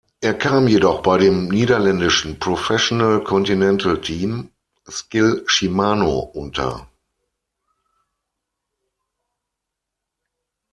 Er kam jedoch bei dem niederländischen Professional Continental Team Skil-Shimano unter.